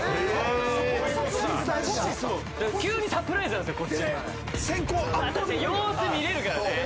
急にサプライズなんですよ